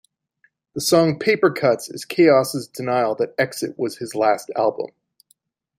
The song "Papercutz" is k-os's denial that "Exit" was his last album.